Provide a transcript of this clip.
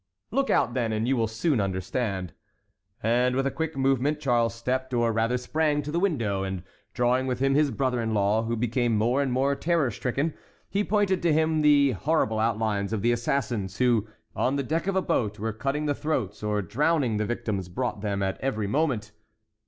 "Look out, then, and you will soon understand." And with a quick movement Charles stepped or rather sprang to the window, and drawing with him his brother in law, who became more and more terror stricken, he pointed to him the horrible outlines of the assassins, who, on the deck of a boat, were cutting the throats or drowning the victims brought them at every moment.